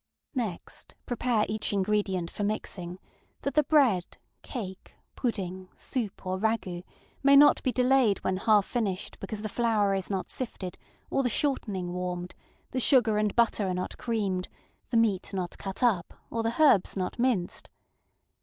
Next, prepare each ingredient for mixing, that the bread, cake, pudding, soup, or rago├╗t may not be delayed when half finished because the flour is not sifted, or the ŌĆ£shorteningŌĆØ warmed, the sugar and butter are not creamed, the meat not cut up, or the herbs not minced.